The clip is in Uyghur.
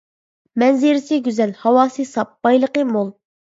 مەنزىرىسى گۈزەل، ھاۋاسى ساپ، بايلىقى مول.